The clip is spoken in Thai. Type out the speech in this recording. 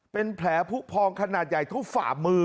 เป็นแผลผู้พองขนาดใหญ่เท่าฝ่ามือ